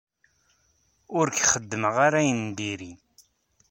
Ur k-xeddmeɣ ara ayen n diri.